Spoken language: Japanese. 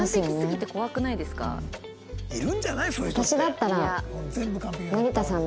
「私だったら」。